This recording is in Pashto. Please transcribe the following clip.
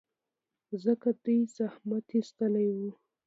ځکه دوی زحمت ایستلی و.